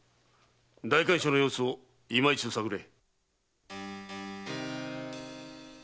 代官所の様子をいま一度探れ。